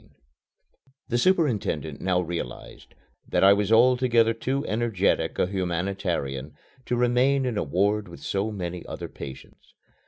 XVI The superintendent now realized that I was altogether too energetic a humanitarian to remain in a ward with so many other patients.